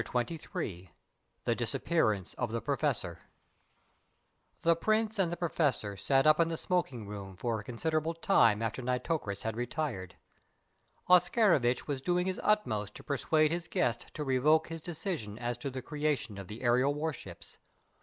CHAPTER XXIII THE DISAPPEARANCE OF THE PROFESSOR The Prince and the Professor sat up in the smoking room for a considerable time after Nitocris had retired. Oscarovitch was doing his utmost to persuade his guest to revoke his decision as to the creation of the aerial warships.